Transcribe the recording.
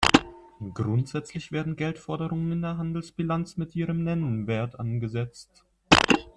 Grundsätzlich werden Geldforderungen in der Handelsbilanz mit ihrem Nennwert angesetzt.